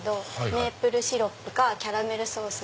メープルシロップかキャラメルソース